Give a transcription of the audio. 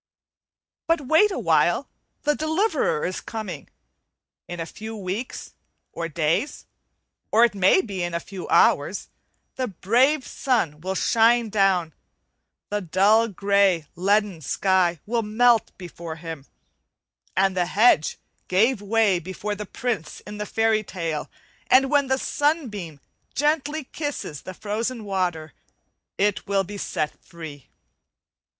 But wait awhile, the deliverer is coming. In a few weeks or days, or it may be in a few hours, the brave sun will shine down; the dull grey, leaden sky will melt before his, as the hedge gave way before the prince in the fairy tale, and when the sunbeam gently kisses the frozen water it will be set free.